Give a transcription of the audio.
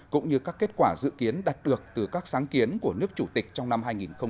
cũng như các kết quả dự kiến đạt được từ các sáng kiến của nước chủ tịch trong năm hai nghìn hai mươi